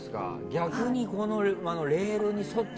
逆にこの。